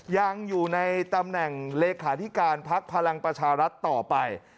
ยังอยู่ในตำแหน่งเลขาธิการพักพลังประชารัฐต่อไป